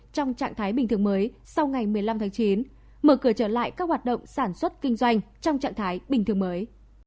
trong trạng thái bình thường mới sau ngày một mươi năm tháng chín mở cửa trở lại các hoạt động sản xuất kinh doanh trong trạng thái bình thường mới